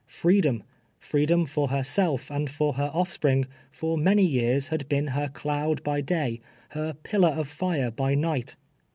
Freedom — freedom for herself and for her olf ppring, for many years had been her cloud by day, her pillar of tire by night.